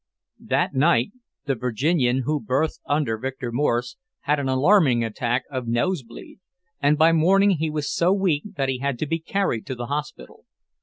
V That night the Virginian, who berthed under Victor Morse, had an alarming attack of nose bleed, and by morning he was so weak that he had to be carried to the hospital.